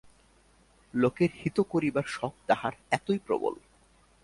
লোকের হিত করিবার শখ তাহার এতই প্রবল।